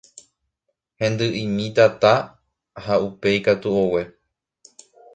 Hendy'imi tata ha upéi katu ogue.